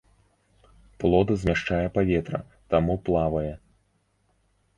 Плод змяшчае паветра, таму плавае.